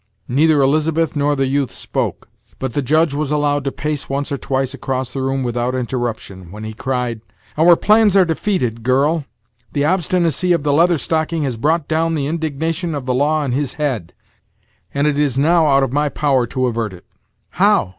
Neither Elizabeth nor the youth spoke; but the Judge was allowed to pace once or twice across the room without interruption, when he cried: "Our plans are defeated, girl; the obstinacy of the Leather Stocking has brought down the indignation of the law on his head, and it is now out of my power to avert it." "How?